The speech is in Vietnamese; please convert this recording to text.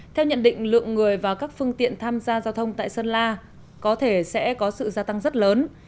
theo nhận định lượng người và các phương tiện tham gia giao thông tại sơn la có thể sẽ có sự gia tăng rất lớn